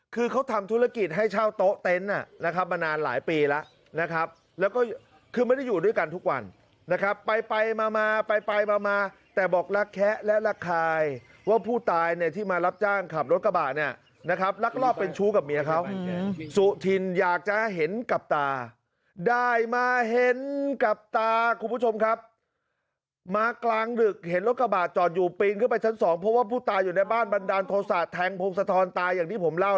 คือเขาทำธุรกิจให้เช่าโต๊ะเต็นต์มานานหลายปีแล้ว